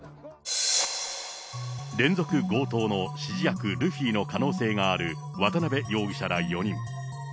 連続強盗の指示役、ルフィの可能性がある渡辺容疑者ら４人。